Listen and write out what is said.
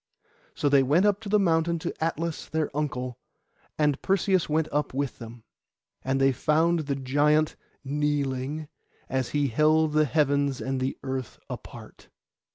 So they went up the mountain to Atlas their uncle, and Perseus went up with them. And they found the giant kneeling, as he held the heavens and the earth apart.